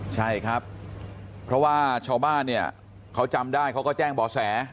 ใช่ครับเพราะว่าชาวบ้านเนี่ยเขาจำได้เขาก็แจ้งบ่อแส